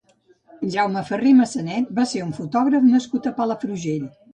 Jaume Ferrer Massanet va ser un fotògraf nascut a Palafrugell.